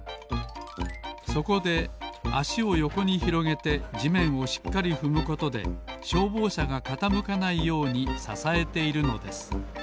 そこであしをよこにひろげてじめんをしっかりふむことでしょうぼうしゃがかたむかないようにささえているのです。